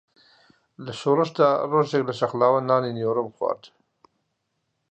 لە شۆڕشدا ڕۆژێک لە شەقڵاوە نانی نیوەڕۆم خوارد